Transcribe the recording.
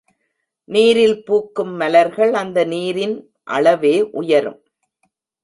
நீரில் பூக்கும் மலர்கள் அந்த நீரின் அளவே உயரும்.